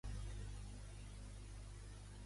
Va ser el primer responsable turc de Samos?